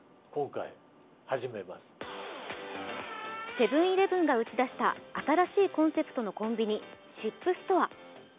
セブン−イレブンが打ち出した新しいコンセプトのコンビニ、ＳＩＰストア。